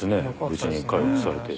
無事に回復されて。